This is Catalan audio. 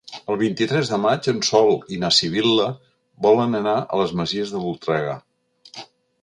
El vint-i-tres de maig en Sol i na Sibil·la volen anar a les Masies de Voltregà.